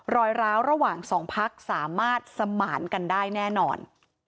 รอยร้าวระหว่างสองพักสามารถสมานกันได้แน่นอน